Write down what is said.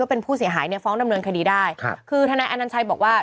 เป็นผู้เสียหายเนี่ยฟ้องดำเนินคดีได้ครับคือทนายอนัญชัยบอกว่า